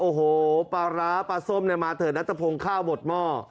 โอ้โหปลาร้าปลาส้มเนี่ยมาเถอะนัทพงศ์ข้าวหมดหม้อ